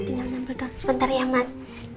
tinggal mampir doang sebentar ya mas